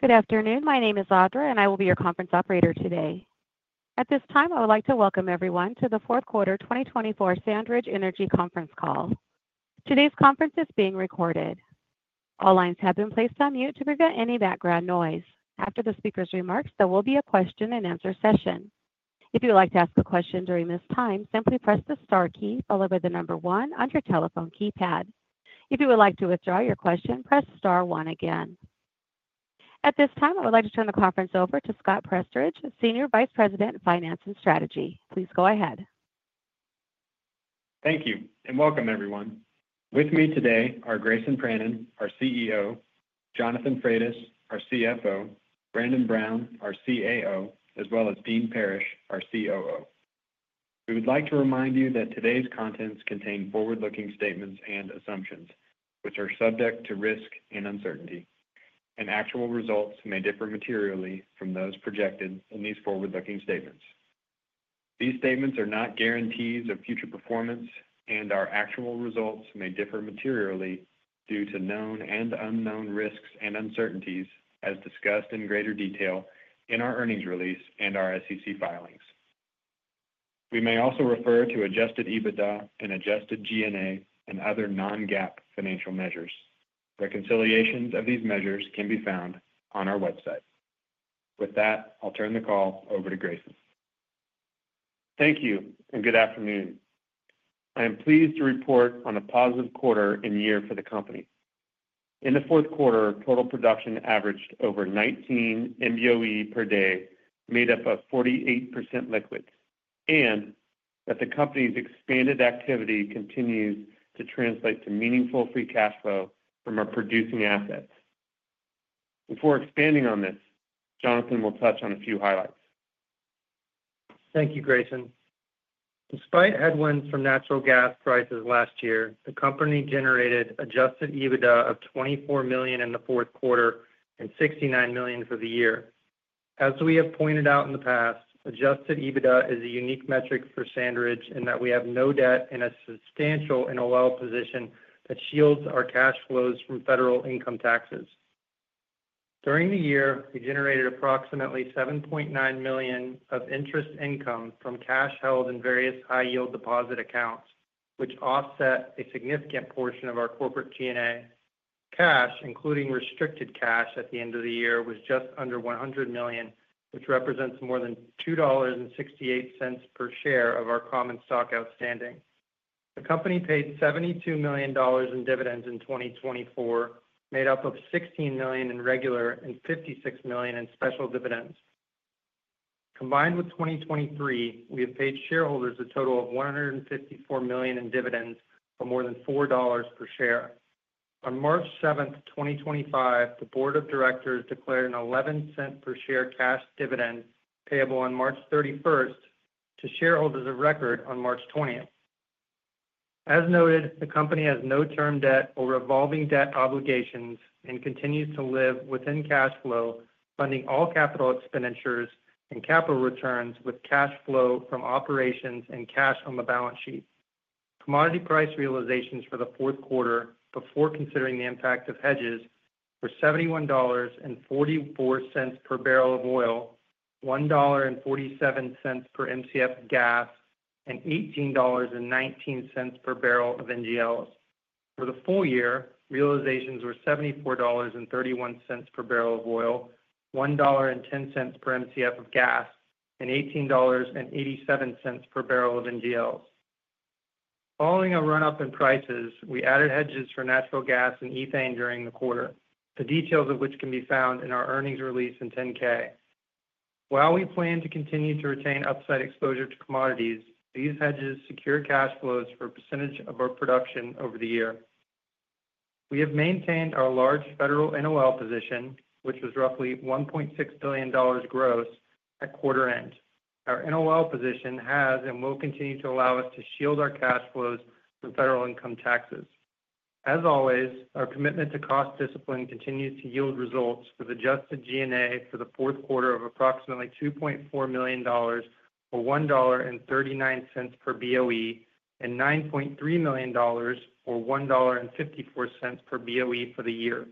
Good afternoon. My name is Audra, and I will be your conference operator today. At this time, I would like to welcome everyone to the fourth quarter 2024 SandRidge Energy Conference Call. Today's conference is being recorded. All lines have been placed on mute to prevent any background noise. After the speaker's remarks, there will be a question-and-answer session. If you would like to ask a question during this time, simply press the star key followed by the number one on your telephone keypad. If you would like to withdraw your question, press star one again. At this time, I would like to turn the conference over to Scott Prestridge, Senior Vice President, Finance and Strategy. Please go ahead. Thank you and welcome, everyone. With me today are Grayson Pranin, our CEO; Jonathan Frates, our CFO; Brandon Brown, our CAO; as well as Dean Parrish, our COO. We would like to remind you that today's contents contain forward-looking statements and assumptions, which are subject to risk and uncertainty. Actual results may differ materially from those projected in these forward-looking statements. These statements are not guarantees of future performance, and our actual results may differ materially due to known and unknown risks and uncertainties, as discussed in greater detail in our earnings release and our SEC filings. We may also refer to adjusted EBITDA and adjusted G&A and other non-GAAP financial measures. Reconciliations of these measures can be found on our website. With that, I'll turn the call over to Grayson. Thank you and good afternoon. I am pleased to report on a positive quarter and year for the company. In the fourth quarter, total production averaged over 19 MBOE per day, made up of 48% liquids, and that the company's expanded activity continues to translate to meaningful free cash flow from our producing assets. Before expanding on this, Jonathan will touch on a few highlights. Thank you, Grayson. Despite headwinds from natural gas prices last year, the company generated adjusted EBITDA of $24 million in the fourth quarter and $69 million for the year. As we have pointed out in the past, adjusted EBITDA is a unique metric for SandRidge in that we have no debt and a substantial NOL position that shields our cash flows from federal income taxes. During the year, we generated approximately $7.9 million of interest income from cash held in various high-yield deposit accounts, which offset a significant portion of our corporate G&A. Cash, including restricted cash at the end of the year, was just under $100 million, which represents more than $2.68 per share of our common stock outstanding. The company paid $72 million in dividends in 2024, made up of $16 million in regular and $56 million in special dividends. Combined with 2023, we have paid shareholders a total of $154 million in dividends for more than $4 per share. On March 7, 2025, the Board of Directors declared an $0.11 per share cash dividend payable on March 31 to shareholders of record on March 20. As noted, the company has no term debt or revolving debt obligations and continues to live within cash flow, funding all capital expenditures and capital returns with cash flow from operations and cash on the balance sheet. Commodity price realizations for the fourth quarter, before considering the impact of hedges, were $71.44 per barrel of oil, $1.47 per MCF gas, and $18.19 per barrel of NGLs. For the full year, realizations were $74.31 per barrel of oil, $1.10 per MCF of gas, and $18.87 per barrel of NGLs. Following a run-up in prices, we added hedges for natural gas and ethane during the quarter, the details of which can be found in our earnings release and 10-K. While we plan to continue to retain upside exposure to commodities, these hedges secure cash flows for a percentage of our production over the year. We have maintained our large federal NOL position, which was roughly $1.6 billion gross, at quarter end. Our NOL position has and will continue to allow us to shield our cash flows from federal income taxes. As always, our commitment to cost discipline continues to yield results with adjusted G&A for the fourth quarter of approximately $2.4 million, or $1.39 per BOE, and $9.3 million, or $1.54 per BOE for the year.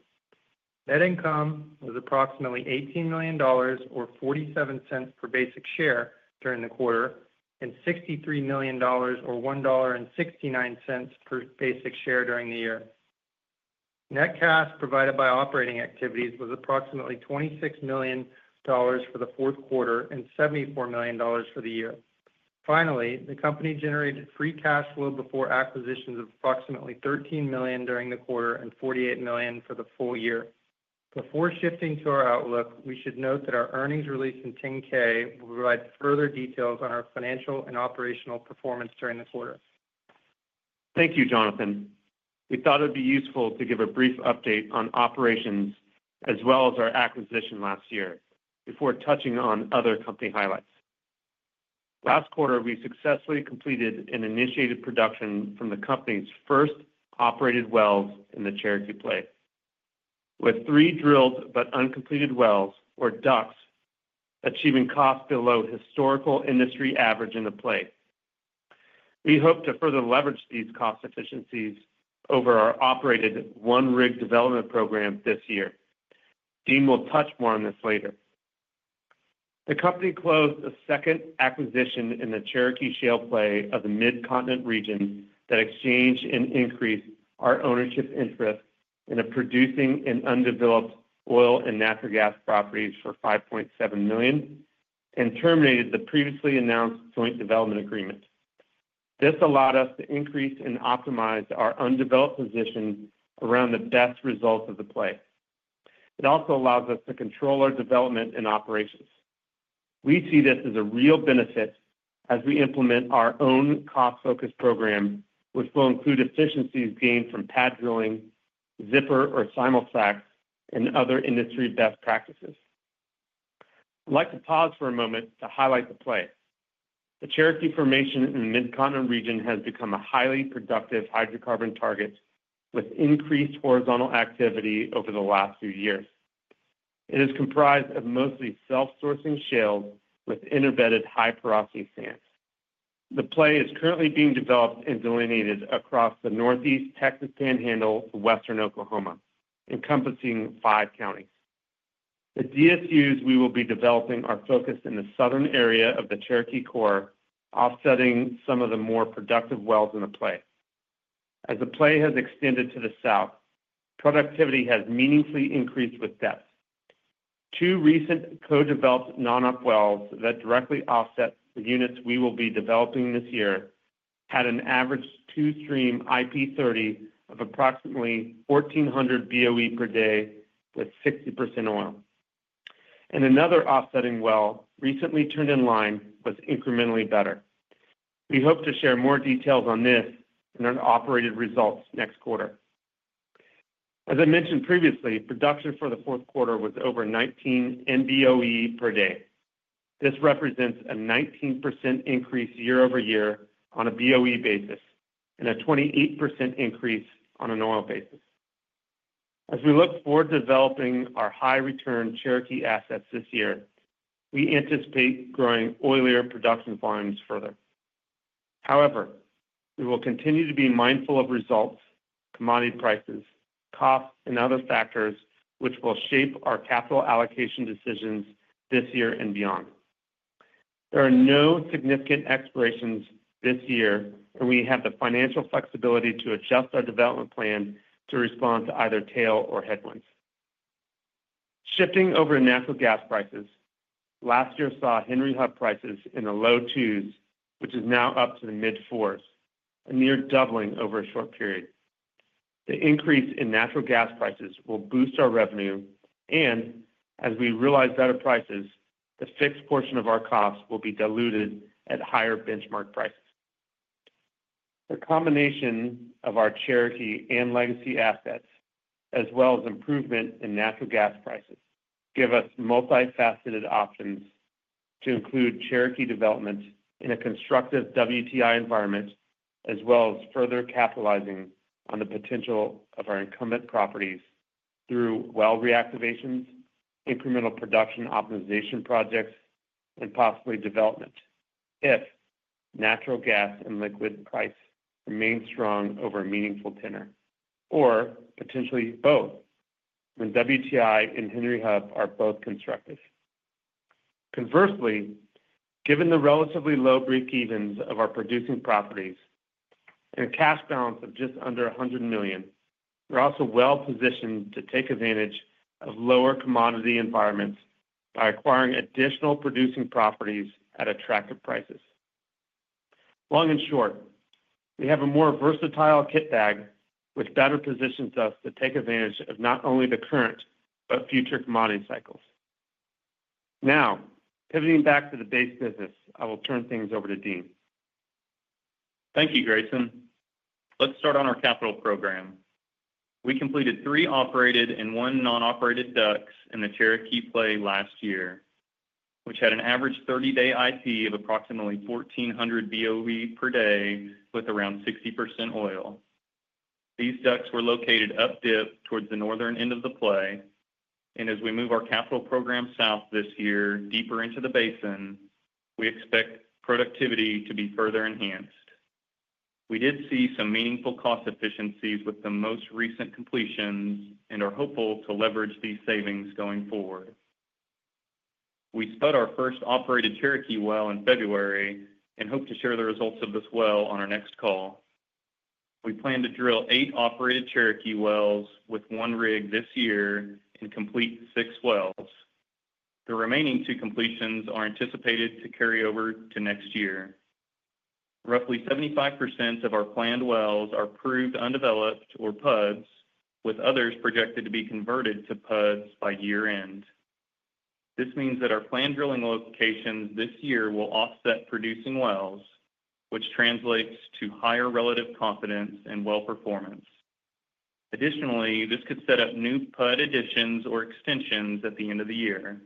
Net income was approximately $18 million, or $0.47 per basic share during the quarter, and $63 million, or $1.69 per basic share during the year. Net cash provided by operating activities was approximately $26 million for the fourth quarter and $74 million for the year. Finally, the company generated free cash flow before acquisitions of approximately $13 million during the quarter and $48 million for the full year. Before shifting to our outlook, we should note that our earnings release and 10-K will provide further details on our financial and operational performance during the quarter. Thank you, Jonathan. We thought it would be useful to give a brief update on operations as well as our acquisition last year, before touching on other company highlights. Last quarter, we successfully completed and initiated production from the company's first operated wells in the Cherokee Core, with three drilled but uncompleted wells, or DUCs, achieving costs below historical industry average in the Core. We hope to further leverage these cost efficiencies over our operated one rig development program this year. Dean will touch more on this later. The company closed a second acquisition in the Cherokee Shale Play of the Mid-Continent region that exchanged and increased our ownership interest in a producing and undeveloped oil and natural gas property for $5.7 million and terminated the previously announced joint development agreement. This allowed us to increase and optimize our undeveloped position around the best results of the play. It also allows us to control our development and operations. We see this as a real benefit as we implement our own cost-focused program, which will include efficiencies gained from pad drilling, zipper or simul fracs, and other industry best practices. I'd like to pause for a moment to highlight the play. The Cherokee formation in the Mid-Continent region has become a highly productive hydrocarbon target with increased horizontal activity over the last few years. It is comprised of mostly self-sourcing shales with inter-bedded high porosity sands. The play is currently being developed and delineated across the Northeast Texas Panhandle to Western Oklahoma, encompassing five counties. The DSUs we will be developing are focused in the southern area of the Cherokee Core, offsetting some of the more productive wells in the play. As the play has extended to the south, productivity has meaningfully increased with depth. Two recent co-developed non-op wells that directly offset the units we will be developing this year had an average two-stream IP30 of approximately 1,400 BOE per day with 60% oil. Another offsetting well recently turned in line was incrementally better. We hope to share more details on this and our operated results next quarter. As I mentioned previously, production for the fourth quarter was over 19 MBOE per day. This represents a 19% increase year over year on a BOE basis and a 28% increase on an oil basis. As we look forward to developing our high-return Cherokee assets this year, we anticipate growing oil production volumes further. However, we will continue to be mindful of results, commodity prices, costs, and other factors which will shape our capital allocation decisions this year and beyond. There are no significant expirations this year, and we have the financial flexibility to adjust our development plan to respond to either tail or headwinds. Shifting over to natural gas prices, last year saw Henry Hub prices in the low twos, which is now up to the mid-fours, a near doubling over a short period. The increase in natural gas prices will boost our revenue, and as we realize better prices, the fixed portion of our costs will be diluted at higher benchmark prices. The combination of our Cherokee and legacy assets, as well as improvement in natural gas prices, gives us multifaceted options to include Cherokee development in a constructive WTI environment, as well as further capitalizing on the potential of our incumbent properties through well reactivations, incremental production optimization projects, and possibly development if natural gas and liquid price remain strong over a meaningful tenor, or potentially both when WTI and Henry Hub are both constructive. Conversely, given the relatively low breakevens of our producing properties and a cash balance of just under $100 million, we're also well positioned to take advantage of lower commodity environments by acquiring additional producing properties at attractive prices. Long and short, we have a more versatile kit bag, which better positions us to take advantage of not only the current but future commodity cycles. Now, pivoting back to the base business, I will turn things over to Dean. Thank you, Grayson. Let's start on our capital program. We completed three operated and one non-operated DUCs in the Cherokee Play last year, which had an average 30-day IP of approximately 1,400 BOE per day with around 60% oil. These DUCs were located up-dip towards the northern end of the play, and as we move our capital program south this year, deeper into the basin, we expect productivity to be further enhanced. We did see some meaningful cost efficiencies with the most recent completions and are hopeful to leverage these savings going forward. We spun our first operated Cherokee well in February and hope to share the results of this well on our next call. We plan to drill eight operated Cherokee wells with one rig this year and complete six wells. The remaining two completions are anticipated to carry over to next year. Roughly 75% of our planned wells are proved undeveloped or PUDs, with others projected to be converted to PUDs by year-end. This means that our planned drilling locations this year will offset producing wells, which translates to higher relative confidence and well performance. Additionally, this could set up new PUD additions or extensions at the end of the year.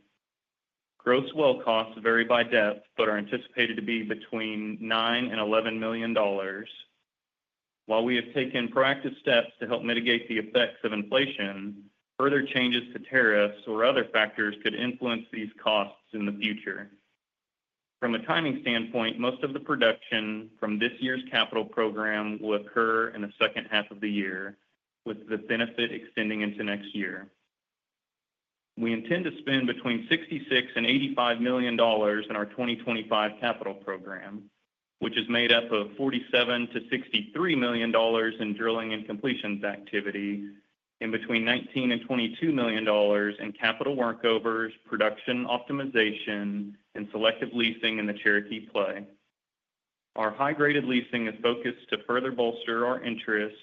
Gross well costs vary by depth, but are anticipated to be between $9 million and $11 million. While we have taken proactive steps to help mitigate the effects of inflation, further changes to tariffs or other factors could influence these costs in the future. From a timing standpoint, most of the production from this year's capital program will occur in the second half of the year, with the benefit extending into next year. We intend to spend between $66 million and $85 million in our 2025 capital program, which is made up of $47 million-$63 million in drilling and completions activity, and between $19 million and $22 million in capital workovers, production optimization, and selective leasing in the Cherokee Play. Our high-graded leasing is focused to further bolster our interest,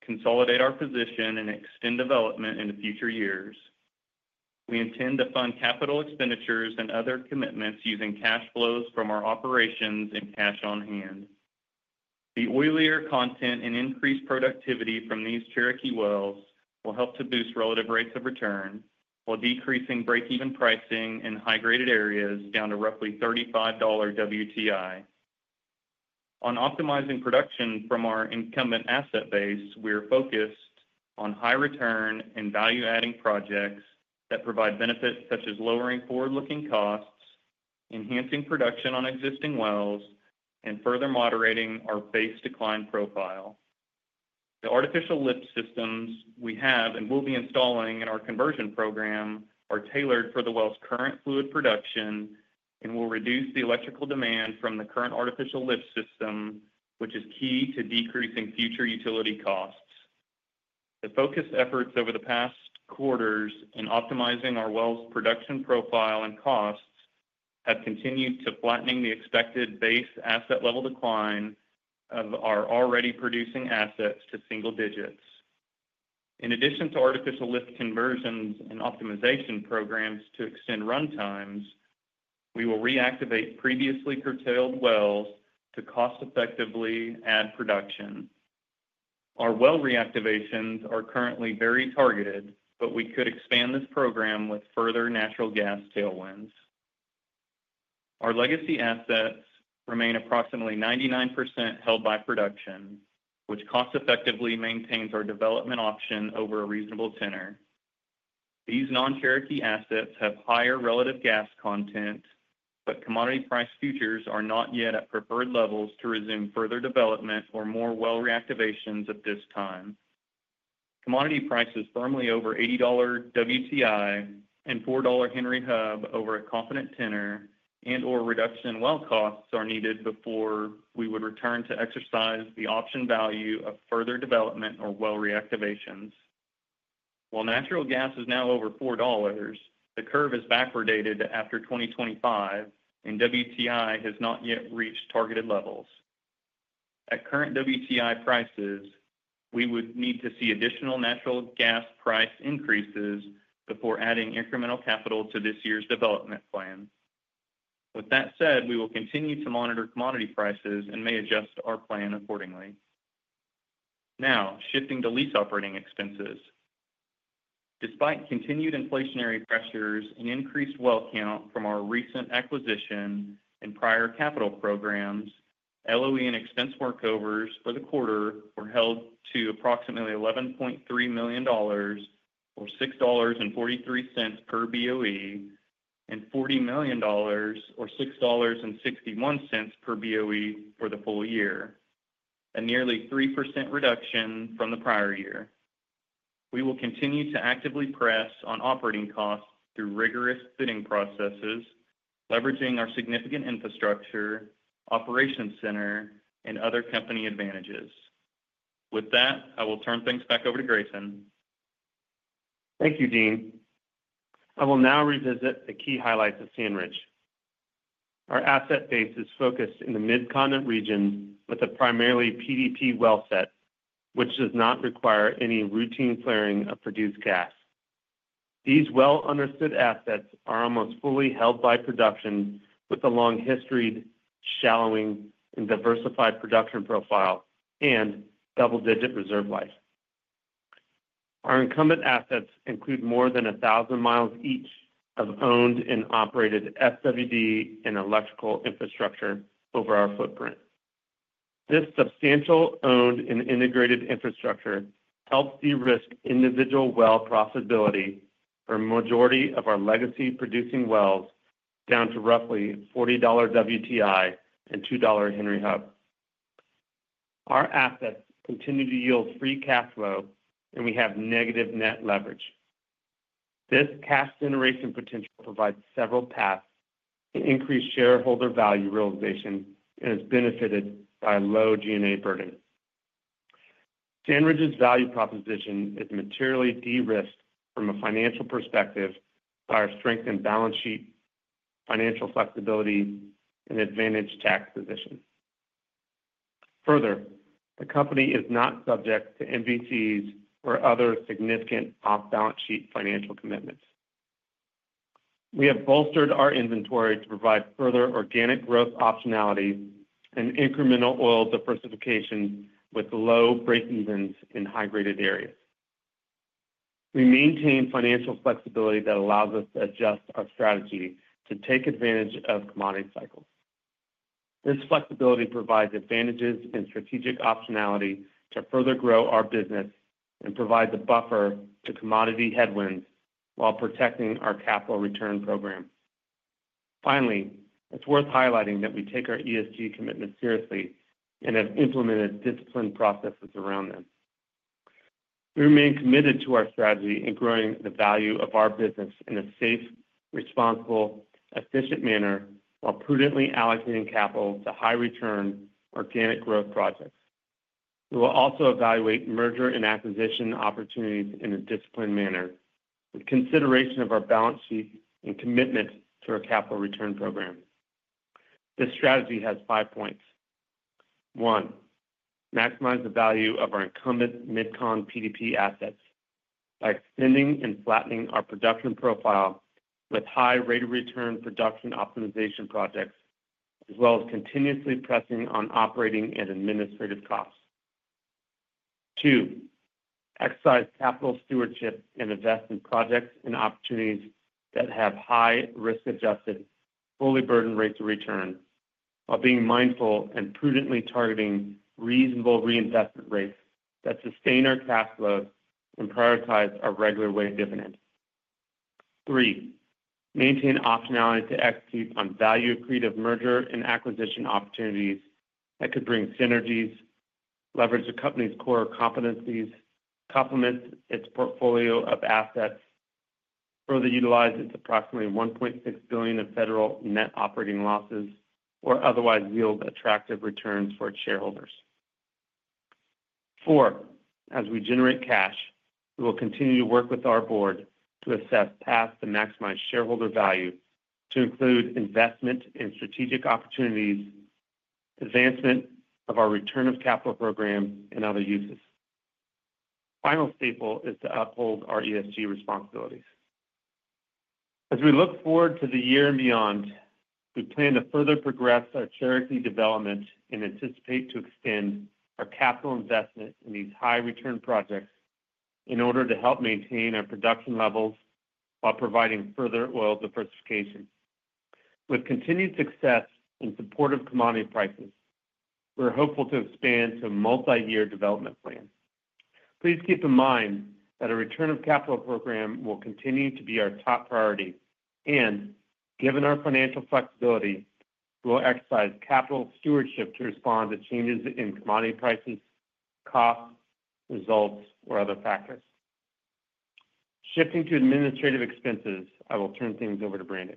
consolidate our position, and extend development in the future years. We intend to fund capital expenditures and other commitments using cash flows from our operations and cash on hand. The oilier content and increased productivity from these Cherokee wells will help to boost relative rates of return while decreasing breakeven pricing in high-graded areas down to roughly $35 WTI. On optimizing production from our incumbent asset base, we are focused on high-return and value-adding projects that provide benefits such as lowering forward-looking costs, enhancing production on existing wells, and further moderating our base decline profile. The artificial lift systems we have and will be installing in our conversion program are tailored for the well's current fluid production and will reduce the electrical demand from the current artificial lift system, which is key to decreasing future utility costs. The focused efforts over the past quarters in optimizing our well's production profile and costs have continued to flatten the expected base asset level decline of our already producing assets to single digits. In addition to artificial lift conversions and optimization programs to extend run times, we will reactivate previously curtailed wells to cost-effectively add production. Our well reactivations are currently very targeted, but we could expand this program with further natural gas tailwinds. Our legacy assets remain approximately 99% held by production, which cost-effectively maintains our development option over a reasonable tenor. These non-Cherokee assets have higher relative gas content, but commodity price futures are not yet at preferred levels to resume further development or more well reactivations at this time. Commodity prices firmly over $80 WTI and $4 Henry Hub over a confident tenor and/or reduction in well costs are needed before we would return to exercise the option value of further development or well reactivations. While natural gas is now over $4, the curve is backwardated after 2025, and WTI has not yet reached targeted levels. At current WTI prices, we would need to see additional natural gas price increases before adding incremental capital to this year's development plan. With that said, we will continue to monitor commodity prices and may adjust our plan accordingly. Now, shifting to lease operating expenses. Despite continued inflationary pressures and increased well count from our recent acquisition and prior capital programs, LOE and expense workovers for the quarter were held to approximately $11.3 million, or $6.43 per BOE, and $40 million, or $6.61 per BOE for the full year, a nearly 3% reduction from the prior year. We will continue to actively press on operating costs through rigorous bidding processes, leveraging our significant infrastructure, operations center, and other company advantages. With that, I will turn things back over to Grayson. Thank you, Dean. I will now revisit the key highlights of SandRidge. Our asset base is focused in the Mid-Continent region with a primarily PDP well set, which does not require any routine flaring of produced gas. These well-understood assets are almost fully held by production with a long-historied, shallowing, and diversified production profile and double-digit reserve life. Our incumbent assets include more than 1,000 mi each of owned and operated SWD and electrical infrastructure over our footprint. This substantial owned and integrated infrastructure helps de-risk individual well profitability for a majority of our legacy producing wells down to roughly $40 WTI and $2 Henry Hub. Our assets continue to yield free cash flow, and we have negative net leverage. This cash generation potential provides several paths to increase shareholder value realization and is benefited by a low G&A burden. SandRidge's value proposition is materially de-risked from a financial perspective by our strengthened balance sheet, financial flexibility, and advantage tax position. Further, the company is not subject to MVCs or other significant off-balance sheet financial commitments. We have bolstered our inventory to provide further organic growth optionality and incremental oil diversification with low breakevens in high-graded areas. We maintain financial flexibility that allows us to adjust our strategy to take advantage of commodity cycles. This flexibility provides advantages and strategic optionality to further grow our business and provides a buffer to commodity headwinds while protecting our capital return program. Finally, it's worth highlighting that we take our ESG commitments seriously and have implemented disciplined processes around them. We remain committed to our strategy in growing the value of our business in a safe, responsible, efficient manner while prudently allocating capital to high-return, organic growth projects. We will also evaluate merger and acquisition opportunities in a disciplined manner with consideration of our balance sheet and commitment to our capital return program. This strategy has five points. One, maximize the value of our incumbent Mid-Continent PDP assets by extending and flattening our production profile with high rate of return production optimization projects, as well as continuously pressing on operating and administrative costs. Two, exercise capital stewardship and invest in projects and opportunities that have high risk-adjusted, fully burdened rates of return while being mindful and prudently targeting reasonable reinvestment rates that sustain our cash flow and prioritize our regular way of dividend. Three, maintain optionality to execute on value creative merger and acquisition opportunities that could bring synergies, leverage the company's core competencies, complement its portfolio of assets, further utilize its approximately $1.6 billion of federal net operating losses, or otherwise yield attractive returns for its shareholders. Four, as we generate cash, we will continue to work with our board to assess paths to maximize shareholder value to include investment in strategic opportunities, advancement of our return of capital program, and other uses. Final staple is to uphold our ESG responsibilities. As we look forward to the year and beyond, we plan to further progress our Cherokee development and anticipate to extend our capital investment in these high-return projects in order to help maintain our production levels while providing further oil diversification. With continued success and supportive commodity prices, we're hopeful to expand to a multi-year development plan. Please keep in mind that a return of capital program will continue to be our top priority, and given our financial flexibility, we will exercise capital stewardship to respond to changes in commodity prices, costs, results, or other factors. Shifting to administrative expenses, I will turn things over to Brandon.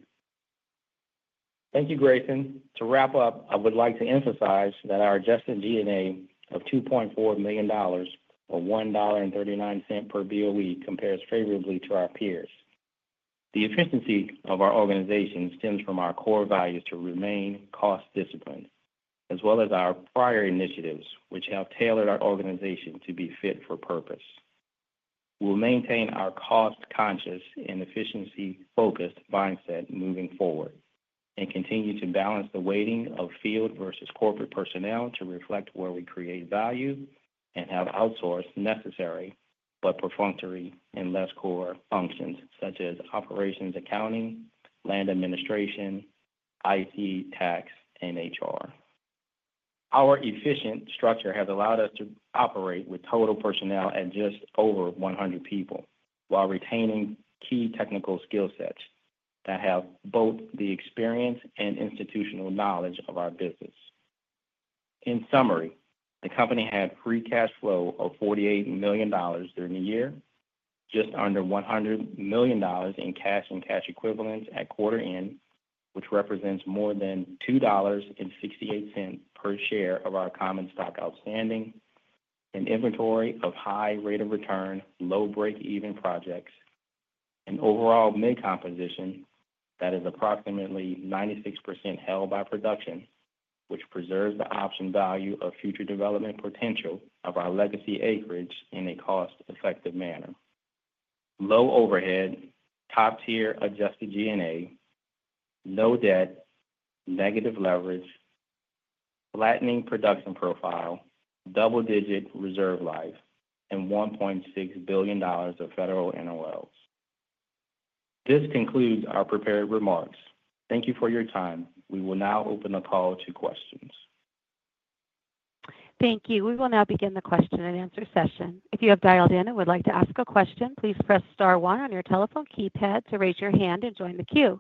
Thank you, Grayson. To wrap up, I would like to emphasize that our adjusted G&A of $2.4 million or $1.39 per BOE compares favorably to our peers. The efficiency of our organization stems from our core values to remain cost disciplined, as well as our prior initiatives, which have tailored our organization to be fit for purpose. We'll maintain our cost-conscious and efficiency-focused mindset moving forward and continue to balance the weighting of field versus corporate personnel to reflect where we create value and have outsourced necessary but perfunctory and less core functions such as operations accounting, land administration, IT, tax, and HR. Our efficient structure has allowed us to operate with total personnel at just over 100 people while retaining key technical skill sets that have both the experience and institutional knowledge of our business. In summary, the company had free cash flow of $48 million during the year, just under $100 million in cash and cash equivalents at quarter end, which represents more than $2.68 per share of our common stock outstanding, an inventory of high rate of return, low breakeven projects, an overall mid-composition that is approximately 96% held by production, which preserves the option value of future development potential of our legacy acreage in a cost-effective manner. Low overhead, top-tier adjusted G&A, no debt, negative leverage, flattening production profile, double-digit reserve life, and $1.6 billion of federal NOLs. This concludes our prepared remarks. Thank you for your time. We will now open the call to questions. Thank you. We will now begin the question and answer session. If you have dialed in and would like to ask a question, please press star one on your telephone keypad to raise your hand and join the queue.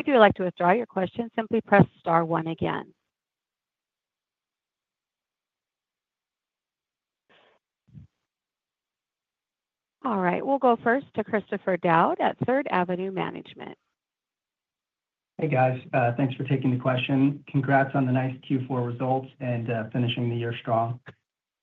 If you would like to withdraw your question, simply press star one again. All right. We will go first to Christopher Dowd at Third Avenue Management. Hey, guys. Thanks for taking the question. Congrats on the nice Q4 results and finishing the year strong.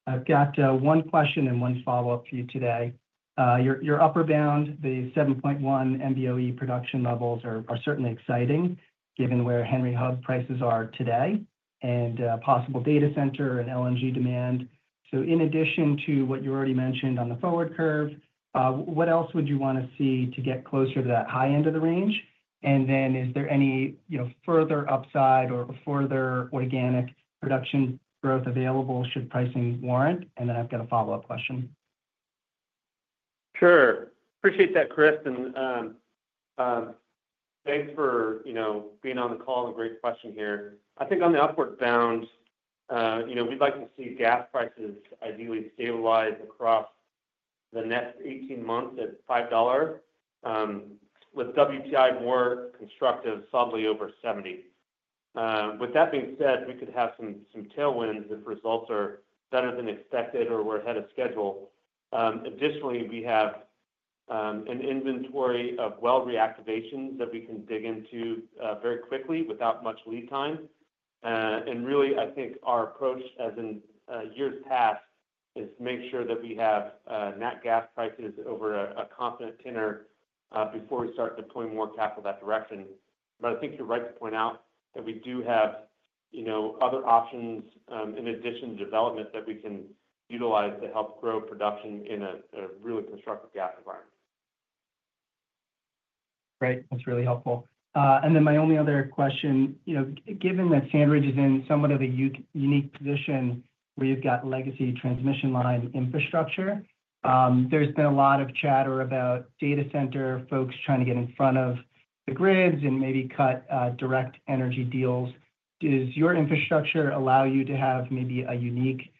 I've got one question and one follow-up for you today. Your upper bound, the 7.1 MBOE production levels are certainly exciting given where Henry Hub prices are today and possible data center and LNG demand. In addition to what you already mentioned on the forward curve, what else would you want to see to get closer to that high end of the range? Is there any further upside or further organic production growth available should pricing warrant? I've got a follow-up question. Sure. Appreciate that, Chris. And thanks for being on the call and a great question here. I think on the upward bound, we'd like to see gas prices ideally stabilize across the next 18 months at $5, with WTI more constructive, subtly over 70. With that being said, we could have some tailwinds if results are better than expected or we're ahead of schedule. Additionally, we have an inventory of well reactivations that we can dig into very quickly without much lead time. Really, I think our approach as in years past is to make sure that we have net gas prices over a confident tenor before we start deploying more capital that direction. I think you're right to point out that we do have other options in addition to development that we can utilize to help grow production in a really constructive gas environment. Great. That's really helpful. My only other question, given that SandRidge is in somewhat of a unique position where you've got legacy transmission line infrastructure, there's been a lot of chatter about data center folks trying to get in front of the grids and maybe cut direct energy deals. Does your infrastructure allow you to have maybe a unique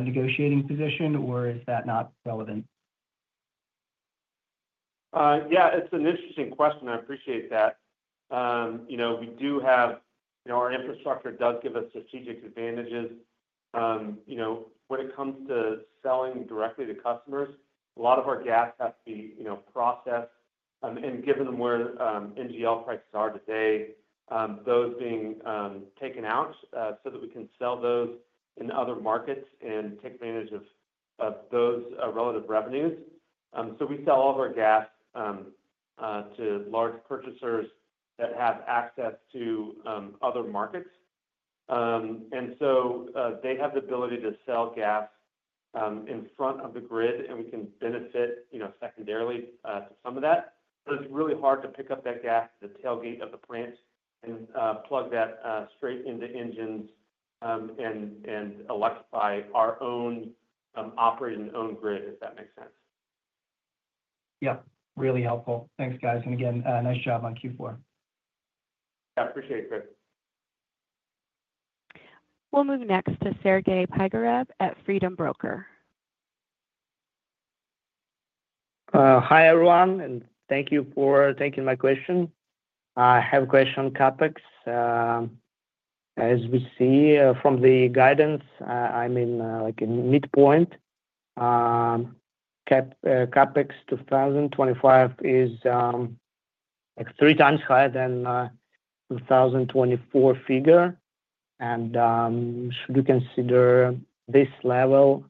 negotiating position, or is that not relevant? Yeah, it's an interesting question. I appreciate that. We do have our infrastructure does give us strategic advantages. When it comes to selling directly to customers, a lot of our gas has to be processed. Given where NGL prices are today, those being taken out so that we can sell those in other markets and take advantage of those relative revenues. We sell all of our gas to large purchasers that have access to other markets. They have the ability to sell gas in front of the grid, and we can benefit secondarily to some of that. It's really hard to pick up that gas at the tailgate of the plant and plug that straight into engines and electrify our own operated and owned grid, if that makes sense. Yeah. Really helpful. Thanks, guys. Nice job on Q4. Yeah, I appreciate it, Chris. We'll move next to Sergey Pigarev at Freedom Broker. Hi, everyone, and thank you for taking my question. I have a question on CapEx. As we see from the guidance, I am in midpoint. CapEx 2025 is three times higher than the 2024 figure. Should we consider this level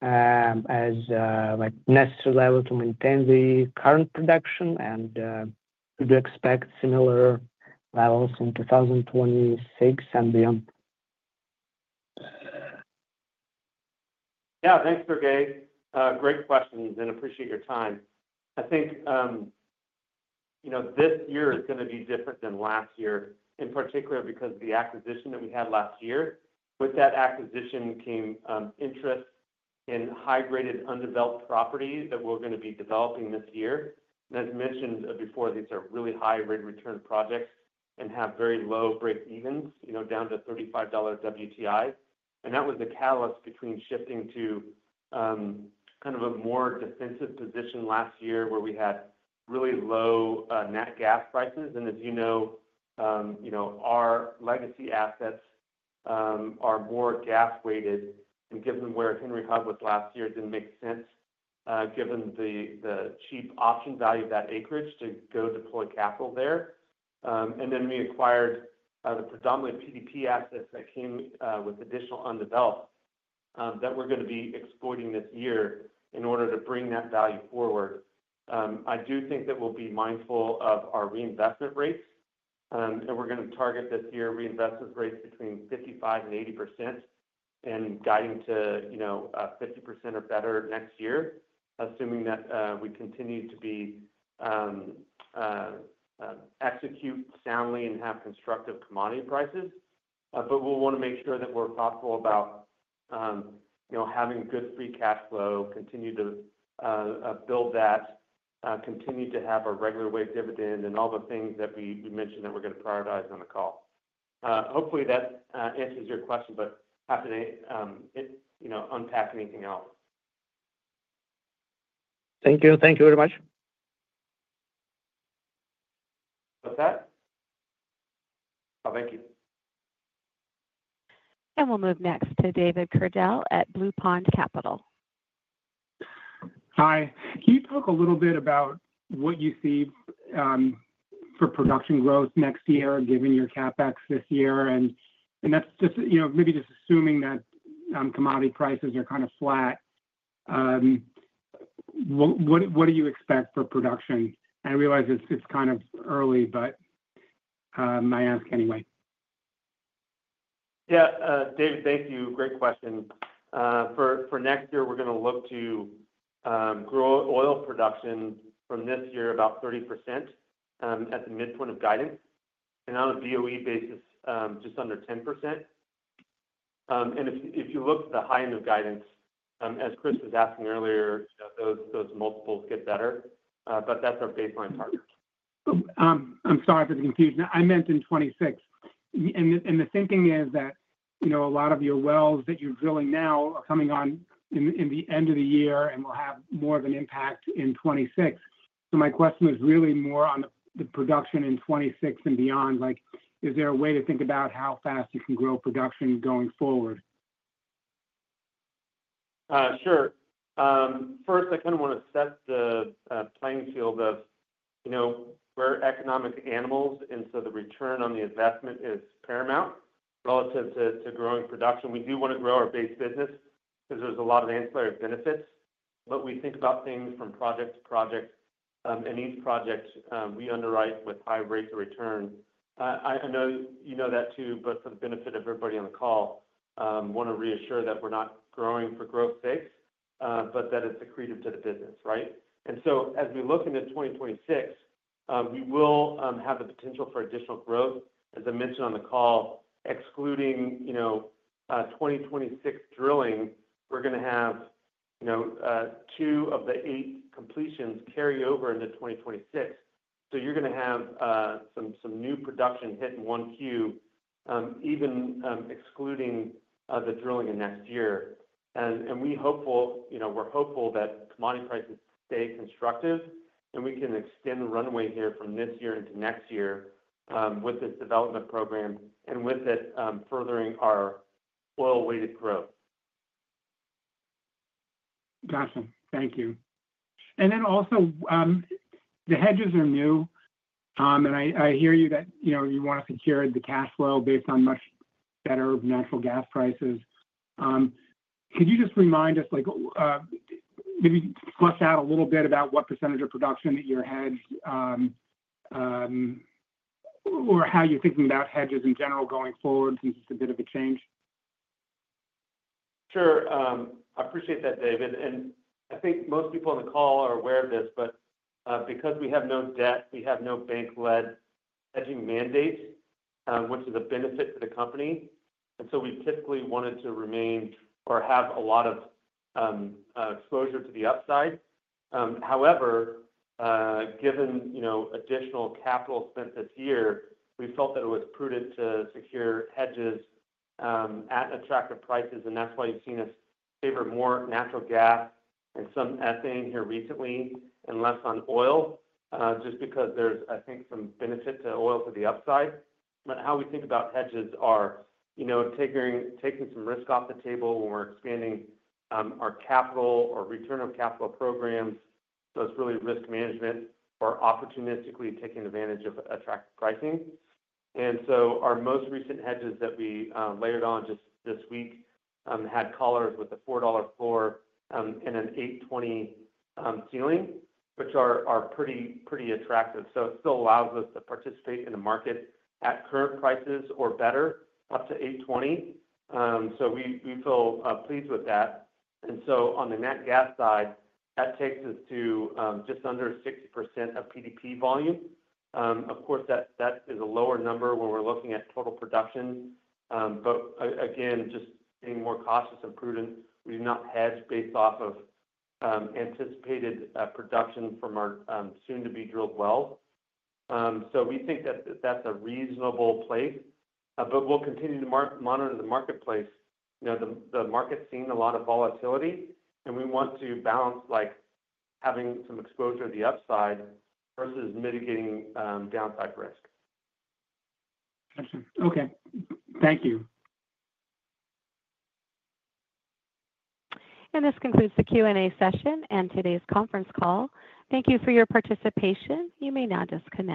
as a necessary level to maintain the current production? Should we expect similar levels in 2026 and beyond? Yeah, thanks, Sergey. Great questions, and appreciate your time. I think this year is going to be different than last year, in particular because of the acquisition that we had last year. With that acquisition came interest in high-graded undeveloped property that we're going to be developing this year. As mentioned before, these are really high rate return projects and have very low breakevens, down to $35 WTI. That was the catalyst between shifting to kind of a more defensive position last year where we had really low net gas prices. As you know, our legacy assets are more gas-weighted. Given where Henry Hub was last year, it didn't make sense given the cheap option value of that acreage to go deploy capital there. We acquired the predominantly PDP assets that came with additional undeveloped that we're going to be exploiting this year in order to bring that value forward. I do think that we'll be mindful of our reinvestment rates. We're going to target this year reinvestment rates between 55%-80% and guiding to 50% or better next year, assuming that we continue to execute soundly and have constructive commodity prices. We want to make sure that we're thoughtful about having good free cash flow, continue to build that, continue to have a regular way of dividend, and all the things that we mentioned that we're going to prioritize on the call. Hopefully, that answers your question, but I have to unpack anything else. Thank you. Thank you very much. What's that? Oh, thank you. We will move next to David Cordell at Blue Pond Capital. Hi. Can you talk a little bit about what you see for production growth next year given your CapEx this year? Maybe just assuming that commodity prices are kind of flat. What do you expect for production? I realize it's kind of early, but I ask anyway. Yeah. David, thank you. Great question. For next year, we're going to look to grow oil production from this year about 30% at the midpoint of guidance, and on a BOE basis, just under 10%. If you look at the high end of guidance, as Chris was asking earlier, those multiples get better. That is our baseline target. I'm sorry for the confusion. I meant in 2026. The thinking is that a lot of your wells that you're drilling now are coming on in the end of the year and will have more of an impact in 2026. My question was really more on the production in 2026 and beyond. Is there a way to think about how fast you can grow production going forward? Sure. First, I kind of want to set the playing field of we're economic animals, and so the return on the investment is paramount relative to growing production. We do want to grow our base business because there's a lot of ancillary benefits. We think about things from project to project. Each project, we underwrite with high rates of return. I know you know that too, but for the benefit of everybody on the call, I want to reassure that we're not growing for growth sake, but that it's accretive to the business, right? As we look into 2026, we will have the potential for additional growth. As I mentioned on the call, excluding 2026 drilling, we're going to have two of the eight completions carry over into 2026. You're going to have some new production hit in Q1, even excluding the drilling in next year. We're hopeful that commodity prices stay constructive, and we can extend the runway here from this year into next year with this development program and with it furthering our oil-weighted growth. Gotcha. Thank you. The hedges are new. I hear you that you want to secure the cash flow based on much better natural gas prices. Could you just remind us, maybe flesh out a little bit about what percentage of production that you're hedged or how you're thinking about hedges in general going forward since it's a bit of a change? Sure. I appreciate that, David. I think most people on the call are aware of this, but because we have no debt, we have no bank-led hedging mandates, which is a benefit to the company. We typically wanted to remain or have a lot of exposure to the upside. However, given additional capital spent this year, we felt that it was prudent to secure hedges at attractive prices. That is why you've seen us favor more natural gas and some ethane here recently and less on oil, just because there's, I think, some benefit to oil to the upside. How we think about hedges are taking some risk off the table when we're expanding our capital or return of capital programs, those really risk management or opportunistically taking advantage of attractive pricing. Our most recent hedges that we layered on just this week had collars with a $4 floor and an $8.20 ceiling, which are pretty attractive. It still allows us to participate in the market at current prices or better up to $8.20. We feel pleased with that. On the net gas side, that takes us to just under 60% of PDP volume. Of course, that is a lower number when we're looking at total production. Again, just being more cautious and prudent, we do not hedge based off of anticipated production from our soon-to-be-drilled wells. We think that that's a reasonable place. We'll continue to monitor the marketplace. The market's seen a lot of volatility, and we want to balance having some exposure to the upside versus mitigating downside risk. Gotcha. Okay. Thank you. This concludes the Q&A session and today's conference call. Thank you for your participation. You may now disconnect.